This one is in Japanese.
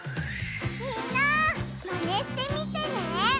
みんなマネしてみてね！